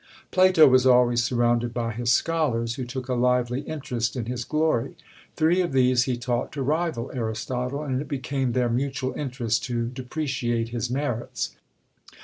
Plato was always surrounded by his scholars, who took a lively interest in his glory. Three of these he taught to rival Aristotle, and it became their mutual interest to depreciate his merits.